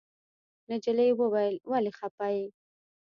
نجلۍ وويل ولې خپه يې.